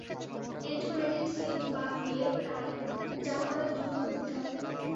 And credit scene বাদ দিয়ে, তাই, যা করার দ্রুত করতে হবে।